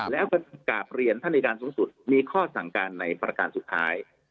แล้วก็กราบเรียนท่านอายการสูงสุดมีข้อสั่งการในประการสุดท้าย